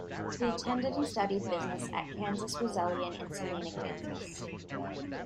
He attended and studied business at Kansas Wesleyan in Salina, Kansas.